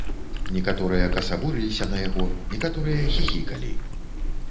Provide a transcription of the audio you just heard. Некаторыя касавурыліся на яго, некаторыя хіхікалі.